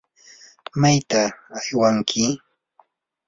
¿mayta aywanki?